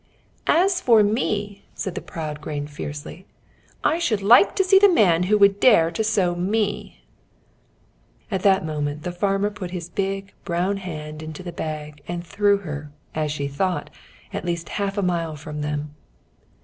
"As for me," said the proud grain, fiercely, "I should like to see the man who would dare to sow me!" At that very moment, the farmer put his big, brown hand into the bag and threw her, as she thought, at least half a mile from them.